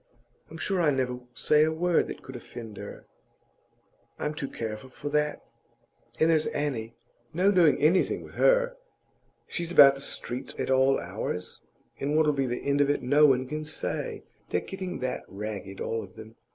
I'm sure I never say a word that could offend her; I'm too careful for that. And there's Annie; no doing anything with her! She's about the streets at all hours, and what'll be the end of it no one can say. They're getting that ragged, all of them.